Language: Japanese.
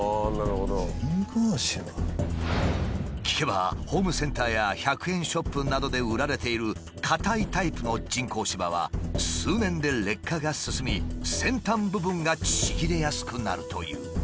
聞けばホームセンターや１００円ショップなどで売られている硬いタイプの人工芝は数年で劣化が進み先端部分がちぎれやすくなるという。